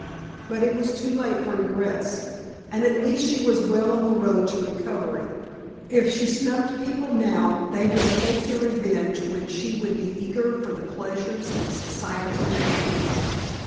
But it was too late for regrets, and at least she was well on the road to recovery; if she snubbed people now they would take their revenge when she would be eager for the pleasures of Society again.